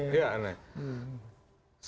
pak batas pak batas